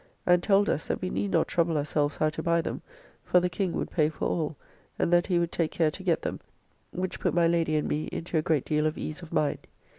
And told us, that we need not trouble ourselves how to buy them, for the King would pay for all, and that he would take care to get them: which put my Lady and me into a great deal of ease of mind.